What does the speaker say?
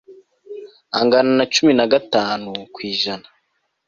angana na cumi na gatanu ku ijana